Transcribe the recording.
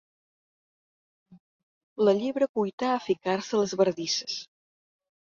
La llebre cuità a ficar-se a les bardisses.